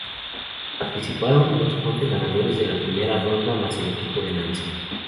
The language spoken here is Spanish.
Participaron los once ganadores de la primera ronda más el equipo del Nancy.